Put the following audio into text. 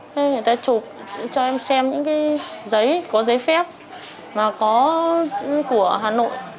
thế người ta chụp cho em xem những cái giấy có giấy phép mà có của hà nội